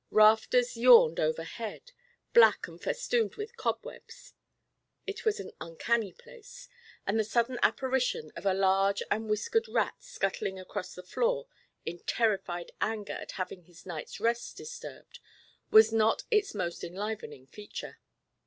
Rafters yawned overhead, black and festooned with cobwebs. It was an uncanny place, and the sudden apparition of a large and whiskered rat scuttling across the floor in terrified anger at having his night's rest disturbed was not its most enlivening feature.